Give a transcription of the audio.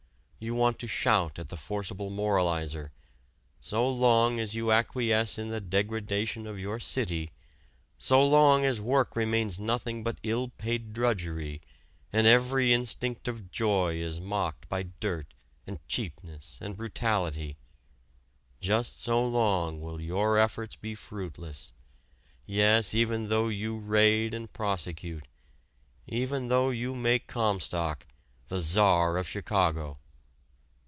You want to shout at the forcible moralizer: "so long as you acquiesce in the degradation of your city, so long as work remains nothing but ill paid drudgery and every instinct of joy is mocked by dirt and cheapness and brutality, just so long will your efforts be fruitless, yes even though you raid and prosecute, even though you make Comstock the Czar of Chicago."